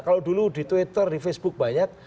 kalau dulu di twitter di facebook banyak